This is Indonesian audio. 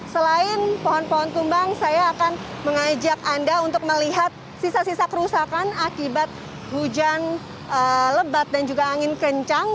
selain pohon pohon tumbang saya akan mengajak anda untuk melihat sisa sisa kerusakan akibat hujan lebat dan juga angin kencang